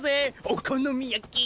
お好み焼き！